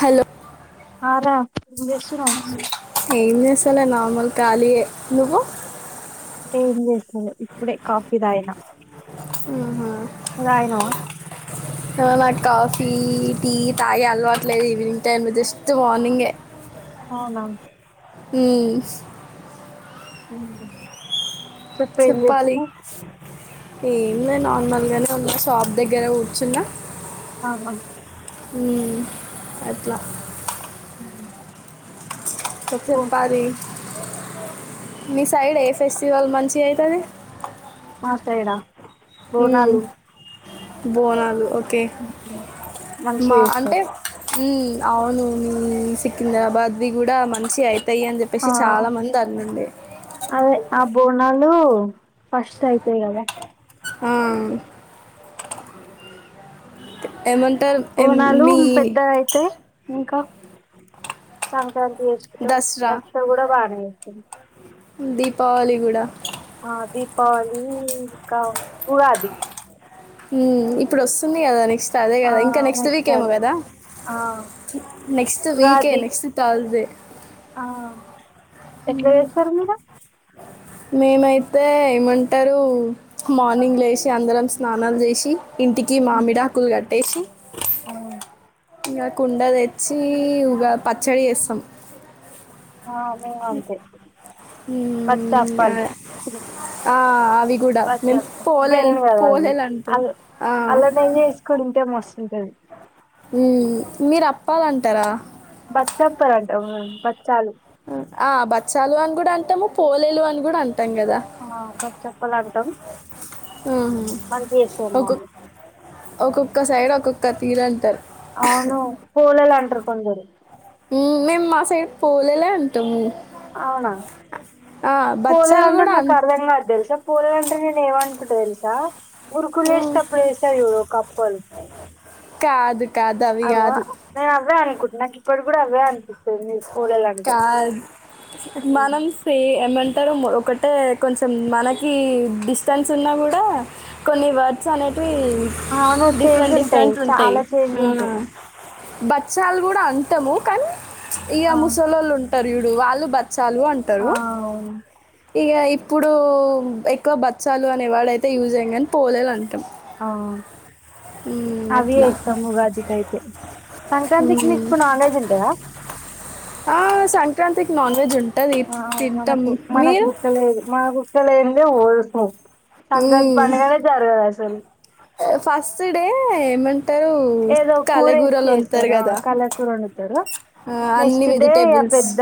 Hello ఆరా చేస్తున్నావ్ అ ఏం చేస్తాలే నార్మల్ ఖాళీ ఏ నువ్వు ఏం చేస్తారు ఇప్పుడే కాఫీ దాయనా అ హ నాకు కాఫీ టీ తాగి అలవాట్లేదు ఈవినింగ్ టైమ్ జస్ట్ మార్నింగే అవునా హమ్ హమ్ చెప్పాలి ఏం లే నార్మల్గానే ఉన్నా షాప్ దగ్గర కూర్చున్నా ఆ అ హమ్ అట్లా అ చెప్పారి మీ సైడ్ ఏ ఫెస్టివల్ మంచి అవుతుంది ఆ సైడా పోనలు బోనాలుఓ ఓకే మంచిగ మా అంటే చేస్తారు అవును సికింద్రాబాద్ది కూడా మంచి అయి య్య అని ఆ చెప్పేసి చాలా మంది అన్నింది నాలు ఫస్ట్ అయితే ఇ కదా ఆ ఇకా కోనాలు పెద్ద అయితే ఇంకా తక చేసుకుంటాం దసరా రక్ష కూడా బాగా చేస్తాం దీపావళి కూడా ఆ దీపావళ ఇకా పది ఇప్పుడు వస్తుంది కదా నెక్స్ట్ సరే ఆ కదా ఇంకా నెక్స్ట్ వీక్మో అదే కదా ఆ నెక్స్ట్ వీకే ఉగాది నెక్స్ట్ త్ర్సడై ఆ ఎట్లా చేస్తారు మీడ మేమైతే ఏమంటారు మార్నింగ్ లేసి అందరం స్నానాలు చేసి ఇంటికి ఉమ్ మామిడ ఆకులు కట్టేసి ఇక కుండ తెచ్చి ఉగా పచ్చడి వేస్తాం ఆ మేము అంతే మ్మ్, ఇంకా, పచ్చప్పండి ఆ, అవి కూడా మేము పచ్చప్ప పోలేలు మెయిన్ కదా పోలేలు అంటాం అది అ ఆ, అల్ల న చేసుకునింటే మస్తుం సిగన్ హమ్ మీరు అప్పాలంటారా బచ్చప్పర అంటే బచ్చాలు ఆ బచ్చాలు అని కూడా అంటాము పోలేలు అని కూడా అంటాము ఆ బ చెప్పలాదు హమ్ చేస్తారు ఒక మమ్మీ ఒక ఒక్క సైడ్ ఒక్కొక్క తీరు అంటారు అవును కూలలు అంటారు కొందరు హ్మ్. మేము మా సైడ్ పోలేలే అంటాము అవునా ఆ! బచ్చాలు హోలిగంటే కూడా అన్ నాకు అర్థం కాదు తెలుసా హోలిగంటే నేను ఏమనుకుంట తెల్సా హ్మ్. ఉర్కులేష్టప్పుడు ఏస్తారు చూడు ఒకప్పలు కాదు కాదు అవి అవ కాదు. మే అవ్వే అనుకుట్ నాకు ఇప్పడు కూడా అవే అంట కా మనం స ఎ ట ఒకటే కొంచెం మనకి డిస్టెన్స్ ఉన్నా కూడా కొన్ని వర్డ్స్ అనే అవునా చేంజ్ ఉంటాయి చాలా చేంజ్ ఉంటాయి బచ్చాలు కూడా అంటము కానీ ఇయా ఆ ము సలండి టరు చూడు వాళ్ళు బత్ చాలు ఆ అంటారు అవును ఇగ ఇప్పుడు ఎక్కువ బచ్చాలు అనే వర్డ్ అయితే యూజ్ అయ్య కానీ పోలేలు అంటాం ఆ ఉమ్, అవి అట్లా చేస్తం ఉగాదికి అయితే సంక్రాంతికి ఉమ్. మీకు నాన్వజ్ ఉంటందా సంక్రాంతి కి నాన్ వెజ్ ఉన్ ఆ మనకు మనకు ముక్క లేదు మాకు ముక్క లేదు [unintelligible] సంక్రాంతి పండుగనే జరగద సల్ ఫస్ట్ డే మన్ ఏదో కూర వేసి చేస్తారా కదా కళకూర వండుతారు ఆ, అన్ని నెక్స్ట్ డే ఆ వెజిటేబుల్స్ పెద్ద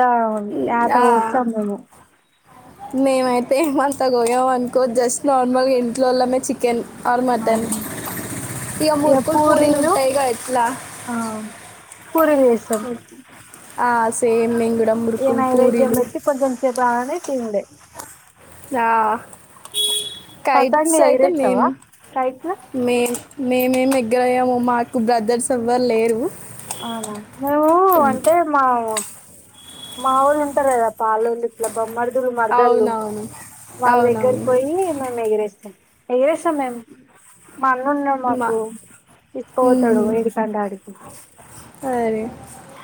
ఆట ఆ, వస్తాం మేము మేమైతే ఏమంత పోయాం అనుకో జస్ట్ నార్మల్గా ఇంట్లోలనే చికెన్ ఆర్ ఆ మటన్ ఇక మురుకులు పూరీలు ఉంటాయిగా ఎట్లా ఆ పూరీలు చేస్తం ఆ సేమింగ్ ఏ నైవేద్యం పెట్టి కొంచెం సేపు రాగానే తిందే ఆ కైట్స్ పతంగులు అయితే మేమ్ ఎగిరేచ్చావా కైట్స్ మే మేమేమి ఎగ్గరెయ్యము మాకు బ్రదర్స్ ఎవ్వరు లేరు అవునా మేవు అంటే మా మావొళ్ళు ఉంటారు కదా పాలొల్లు ఇట్లా బొమ్మర్ రులు మరదళ్ళు అవునవును వాళ్ళ దగ్గర అవునవును పోయి మేము ఎగిరేస్తాం ఏడుస్స మ్యాన్ మా అన్నున్డాడు మా మాకు తీసుకోపోతాడు ఏడికంటే ఆడికి సరే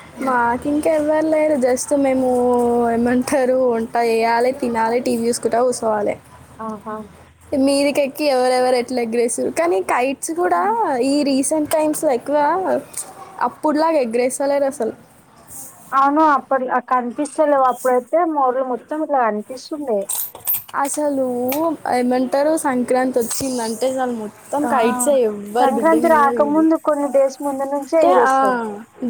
ఉమ్, మాకింకా ఏం ఎవరలేరు జస్ట్ మేము ఏమంటారు వంట వేయాలి, తిన్నాలి, టీవీ చూసుకుంటా, కుసోవాలి. ఆహా మీదిక ఎక్కి ఎవరెవరు ఎట్ల ఎగిరేస్సరు కానీ కైట్స్ కూడా ఉమ్. ఈ రీసెంట్ టైమ్స్ ల ఎక్కువ అప్పుడులాగా ఎగరేస్తలేరు అసలు అవును అప్పుడు కనిపిస్తలేవు అప్పుడైతే మోడలు మొత్తం ఇట్లా కనిపిస్తుండె అసలు ఏమంటారు సంక్రాంతి వచ్చిందంటే చాల్ ము ఆ సంక్రాంతి లేదు రాకముందు కొన్ని డేస్ ముందు నుంచే అంటే ఆ, ఎగిరేస్తారు.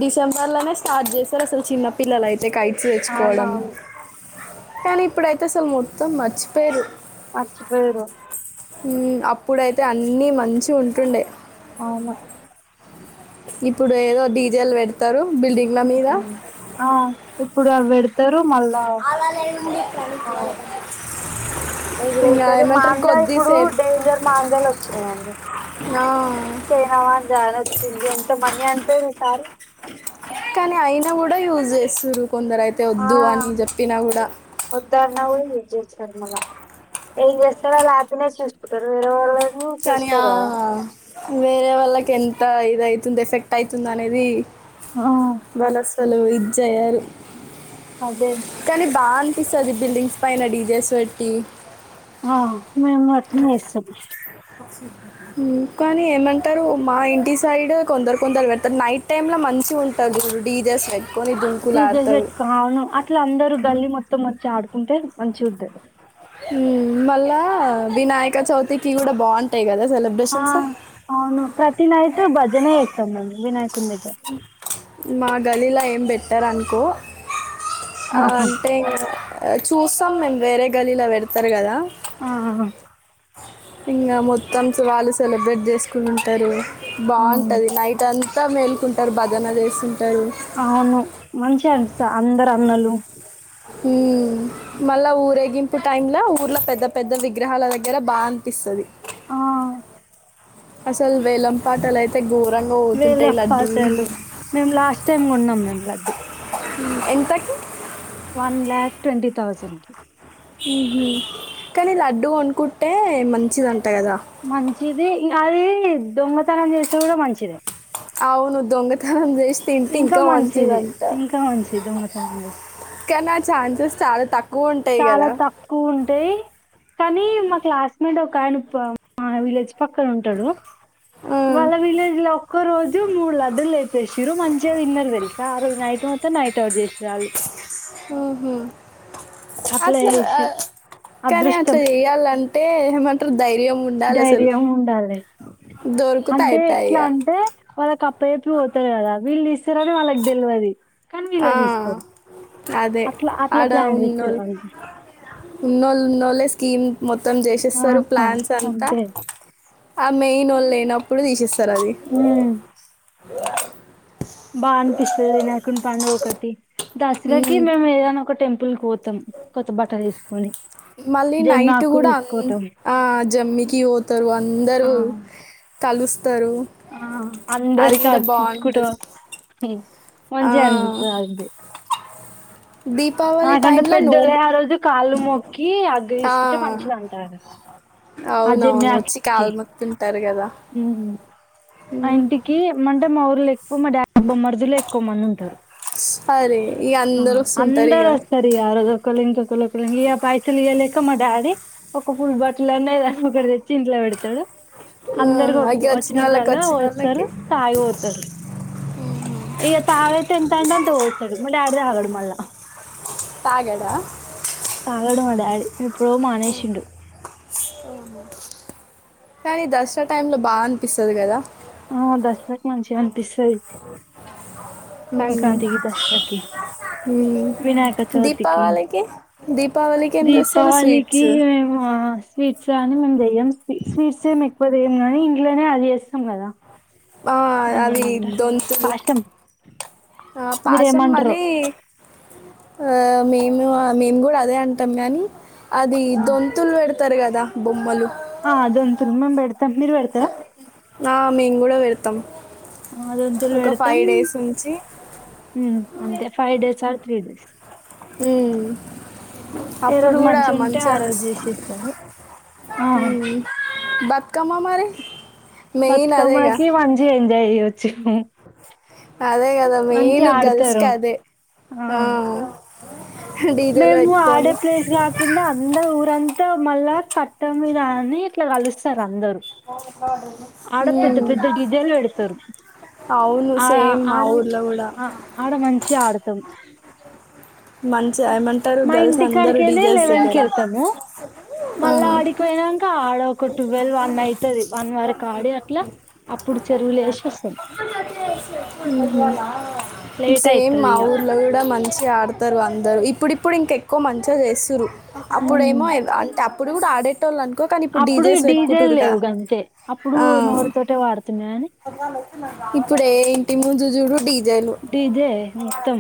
డిసెంబర్లోనే స్టార్ట్ చేస్తారు అసలు చిన్న పిల్లలాలయితే ఈ కైట్స్ తెచ్చుకోవడం అవునవును కానీ ఇప్పుడైతే అసలు మొ మొత్తం మర్చిపోయరు మర్చిపోయిరు హ్మ్ అప్పుడైతే అన్నీ మంచి ఉంటుండే అవును ఇప్పుడేవో డీజెల్ పెడతారు. బిల్డింగ్ల మీద హ్మ్ ఆ చెప్ ఇప్పుడు అవే [inaudible] ఇంకా ఎగిరేసాడు ఏమంటారు మాంజా ఇప్పుడు కొద్దిసేపు డేంజర్ మాంజాలు వచ్చినయండి ఆ, చైన వాల్ జారొచ్చింది ఎంత మంది అన్ వేడి సారు కానీ అయినా కూడా యూజ్ చేస్తురు కొందరు అయితే ఆ వద్దు అని చెప్పినా కూడా యిన కూడా చేస్తారు మల్లా ఏం చేస్తారు ఆళ్ళు ఆర్గనైజ్ చేసుకుంటారు వేరేవాళ్ళు [unintelligible] కానీ ఆ వేరే వాళ్ళకి ఎంత ఇది అయితుంది ఎఫెక్ట్ అయితుంది అనేది ఆ మనస్సు అనేది జేయాలి అదే కానీ బా యు ఇస్తది బిల్డింగ్స్ పైన డీజేస్ పెట్టి ఆ మ అన్నా సష కానీ ఏమంటారు మా ఇంటి సైడ్ కొందరు కొందరు పెడతారు నైట్ టైమ్ లో మంచి ఉంటంది డీజే సైడ్ దీజల్ చెట్క అవును అట్లా అందరు గల్లి మొత్త మ ఆడుకుంటే మంచి ఉతుంది మళ్ళా వినాయక చవితికిి కూడా బాగుంటాయి కదా ఆ సెలబ్రేషన్స్ అవును ప్రతి నాై భజనే చేేస్తాం మండి వినాయకుడి దగ్గర మా గలీలా ఏం పెట్టారనుకో ఆహా అంటే ఈంగా చూస్తాం మేము వేరే గల్లీలో పెడతారు కదా ఆ ఇంకా మొత్తంస వాళ్ళు సెలబ్రేట్ చేసుకుని ఉంటారు ఆ, బాగుంటది నైట్ అని త మేల్కుంటారు భజన చేసి అవును మంచిగా అన్ అందరు అన్నలు ఉ మళ్ళా ఊరేగింపు టైమ్ లో ఊర్లో పెద్ద పెద్ద విగ్రహాల దగ్గర బాగా అనిపిస్తుది ఆ అసలు వేలం పాటాలయితే గో వేల పాతాలు మేము లాస్ట్ టైమ్ ఉన్నాం మేము గ ఎంతకి వన్ ల్యాక్ ట్వంటీ థౌజండ్ కి కానీ లడ్డూ కొనుకుంటే మంచిదట మంచిది ఈ అది దొంగతనం చేస కూడా మంచిద అమె చేసి తింటే ఇంకా మంచిది మంచిదింట ఇంకా మంచిది దొంగతనం చేసి కానీ ఆ ఛాన్సెస్ చాలా తక్కువ ఉంటాయి చాలా కదా తక్కువ ఉంటాయి కానీ మా క్లాస్మేట్ ఒక ఆయన మా విలేజ్ పక్కన ఉంటాడు ఉమ్, వాళ్ళ విలేజ ఒక్క రోజు మూ లడు లేట్ శిరు మంచిద ఇన్నర్ద తెలాస నైట్ మత్త నైట్ ఓట్ చెస్టే చాలు హ అట్లా కానీ అదృష్టం అట్లా చెయాలంటే ఏమంటా ధైర్యం ఉండాలి అసలు ధైర్యం ఉండాలి దొరుకుతూ అంటే అయితయిక ఎట్లా అంటే వాళ్ళకి అప్పచెప్పి పోతారు కదా వీళ్ళు ఇస్తారని వాళ్ళకి తెలి వాహ్ద కానీ ఆ, వీలాది ఇస్తారు అదే అట్లా అట్లా ఆడ ప్లాన్ చేస్తారు ఉన్నోళ్ళ వాళ్ళు ఉన్నోళ్ళు ఉన్నోళ్ళ స్కీమ్ మొత్తం చేసేస్తారు ఆహా ప్లాన్స్ అంతా అంతే ఆ మెయిన్ వాళ్ళు లేయినప్పు ఇప్పుడు తీసిస్ హ్మ్ బా అనిపిస్తది నాకుని పండుగ ఒకటి దసరాకి ఉమ్, మేము ఏదన ఒక టెంపుల్ పో త్తం కొత్త బట్టలు వేసుకొని మళ్ళీ నైట్ కూడా అ ఆ జమ్మికి పోతారు ఆ అందరూ తలుస్ ఆ అందరికి హగ్స్ ఇచ్చుకుట బాగుంటుంది ఆ మంచిగా అనిపిస్తది అది దీపావళి మాకంటే టైమ్ లో పెద్దలే నోము ఆ రోజు కాళ్ళు మొక్కి అగ్గ ఆ తీసుకుంటే మంచిది అంటారు ఆ జమ్మి అవునవును వచ్చి ఆకిచ్చ కాలు మొక్తుంటారు కదా మా ఉమ్, ఇంటికిమంటే మారు లేక్ అబ్బ మా డాడీ మార్డులే ఎక్కువ మంది ఉంటారు అరే ఇగ ఆ అందరు వస్తుంటారు ఇగ అందరుస్త రి అరు కలిన్చతులక్ లుంగియా పైసలు ఈయలే ఇంకా మా డాడీ ఒక పుల్ బట్టలు అనేద ఒక తెచ్చి ఇంట్లో పెడతాడు అందరికి ఆ ఇగ వచ్చినోళ్ళకి వచ్చినప్పుడల్లా వస్తారు వచ్చినోళ్ళకి తాగిపోతారు ఇక తాగ తంటండత పోస్తాడు మా డాడీ తాగడు మళ్ళా తాగడా అ ఎప్పుడ మానేసిండు కానీ దసరా టైమ్ లో బాగా అనిపిస్తది కదా ఆ దసరా కు మంచి అనిపిస్తది మ్మ్ సంక్రాంతికి దసరాకి మ్మ్ వినాయక చౌతికి దీపావళికి దీపావళికి ఏం చేస్తారు దీపావళికి స్వీట్స్ హమా స్వీట్స్ కానీ మేము జెయ్యం స్వీట్స్ ఏం ఎక్కువ తెయ్యం నీ ఇంట్లోనే అది చేస్తాం కదా ఆ దాన్ని అవి ఏమంటారు దొంతులు పాశం పాసం మీరేమంటారో మళ్ళీ అ మేము మేము కూడా అదే అంటాం గానీ అది దొంతులు పెడత తారు కదా బొమ్మలు ఆ అదొంతు మేం పెడతం మీరు బెడతార ఆ మేము కూడా పెడతాం అదొంతులు ఒక పెడతాం ఫైవ్ డేస్ ఉంచి అంతే ఫైవ్ డేస్ ఆ త్రీ డేస్ హ్మ్ ఏ అప్పుడు రోజు కూడా మంచిగా ఉంటే మంచి ఆ అని రోజు చేసేస్తారు ఆ హ్మ్ బతుకమ్మకి మంచిగెంజాయ్ చేయచ్చు చెయ్ అదే కదా మెయిన్ గర్ల్స్ కి ఆడతారు అదే ఆ హ మేము ఆడే ప్లేస్ కాకుండా అందరు ఊరంత ఇంత మళ్ళా కట్ట మీద అని ఇట్లా కలుస్తారు అందరు ఆడ పెద్ద ఉమ్, పెద్ద డీజేలు పెడతరు అవును ఆ సేమ్ మా ఆడ ఊర్లో కూడా ఆడ మంచిగా ఆడతరు మ మా ఇంటికాడికినే లెవెన్కి దగ్గర వెళ్తాము మళ్ళా ఆ. ఆడికిపోయినాంక ఆడ ఒక టువెల్ వన్ అయితది వన్ వరకు ఆడి అట్లా అప్పుడు చెరువులు వేసి వస్తాం లేట్ సేమ్ అయితది మా ఇక ఊర్లో కూడా మంచి ఆడతారు అందరు ఇప్పుడిప్పుడు ఇంక ఎక్కువ మంచిగా చేసురు ఉమ్, అప్పుడేమో ఎ అంటే అప్ ఇప్పుడు కూడా ఆడే టోళ్లు అనుకో కానీ ఇప్పుడు అప్పుడు ఈ డీజెస్ డీజేలు పెట్టుకుంటురుగా లేవు అంతే అప్పుడు ఆ నోరుతోటే వాడుతున్నా కానీ ఇప్పుడే జుజురు డీ జెలు డీజే మొత్తం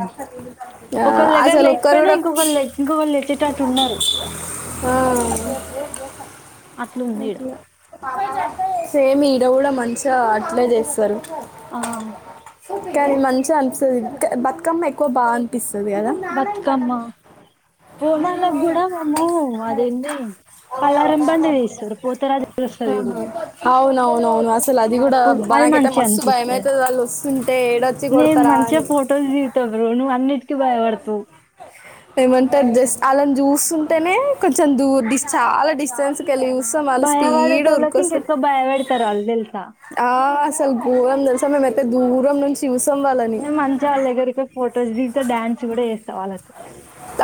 ఒకళ్ళ దగ్గర అసలు ఒక్కరు లేకపోయినా కూడా ఇంకొకళ్ళు ఇంకొకళ్ళు తెచ్చేటట్టు ఉన్నారు అట్లుంది ఈడ సేమ్ ఈ ఈడ కూడా మంచిగా అట్లే చేస్తారు ఆ కానీ మంచిగా అనిపిస్తది బతుకమ్మ ఎక్కువ బాగా అనిపిస్తు బతుకమ్మ బోనాలకు కూడా మేము అదేంది పల్లారం పండి తెస్తారు పోతరాజు కి వస్తది చూడు అవున అవును అసలు అది కూడా అప్పుడు అది బనకైతే మంచిగా మస్తు భయం అనిపిస్తది అయితు వాళ్ళు వస్ నేను మంచిగా ఫొటోస్ దిగుతా బ్రో నువ్వు అన్నిటికీ భయపడతవు ఏమంటారు జస్ట్ వాళ్ళని చూస్తుంటేనే కొంచెం దూర్ డిస్ చాలా డిస్టెన్స్ భయ వడేటోళ్ళకి ఇంకెక్కువ భయపడతరు ఆళ్లు తెలుసా సలు గోరం తెలుసా మేమైతే దూరం నుంచి చూస్ మంచిగా వాళ్ళ దగ్గరికి ఫొటోస్ దిగితే డాన్స్ కూడా చేస్తా వాళ్ళ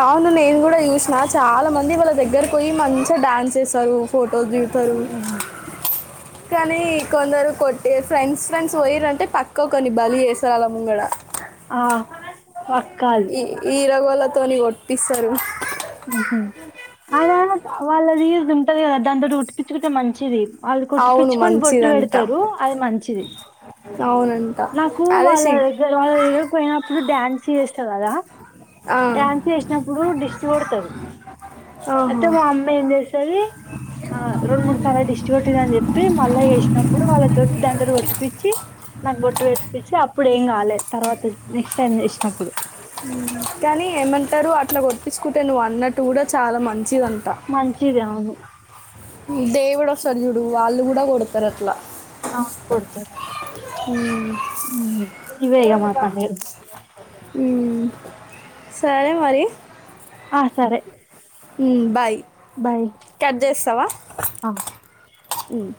అవును నేను కూడా చూసినా చాలా మంది వాళ్ళ దగ్గరకి పోయి మంచిగా డ్యాన్స్ చేస్తారు ఫోట్ ఫోటోలు దిగుతరు ఉహు. కానీ కొందరు కొట్టేసి ఫ్రెండ్స్ ఫ్రెండ్స్ పోయిరంటె పక్క ఒక్కడిని బలి చేసారు ఆళ్ల ముంగడ ఆ వక్కల్ తీరగోళ్ళతోని ఒపిస్తారు ఆహా అన వాళ్ళది కదా దాంతోటి కొట్టిపించుకుంటే మంచిది వాళ్ళు కొట్టి అవును పిచ్చుకొని బొట్టు మంచిదంట పెడతారు అది మంచిది అవునంట నాకు అదే వాళ్ళ సి దగ్గర వాళ్ళ దగ్గర పోయినప్పుడు డ్యాన్స్ చేస్తా కదా ఆ డ్యాన్స్ చేసినప్పుడు డిస్ కోడ్తది అయితే ఆహా మా అమ్మ ఏం చేస్తది రెండు మూడు సార్లు డిస్టి బట్టిందని చెప్పి మళ్ళా ఏసినప్పుడు వాళ్ళతోటి దండలు కొట్టిపిచ్చి నాకు బొట్టి పెట్టిచ్చి అప్పుడు ఇప్పుడు ఏం కాలే తర్వాత నెక్స్ట్ టైమ్ ఏసినప్పుడు కానీ ఏమంటారు అట్లా కొట్టిపించుకుంటే నువ్వు అన్నట్టు కూడా చాలా మంచి మంచిది అవును దేవుడు వస్తరు చూడు వాళ్ళు కూడా కొడతారు అట్లా అవును కొడతరు హమ్మ్ ఇవే ఐగా మా పండగలు ఉమ్ సరే మరి ఆ సరే మ్ బాయ్ బాయ్ కట్ చేస్తావా ఆ హమ్